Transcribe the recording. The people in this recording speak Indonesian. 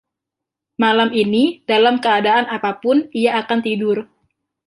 Malam ini, dalam keadaan apa pun, ia akan tidur.